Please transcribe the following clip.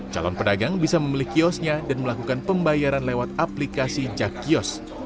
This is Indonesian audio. calon pedagang bisa membeli kiosnya dan melakukan pembayaran lewat aplikasi jakkios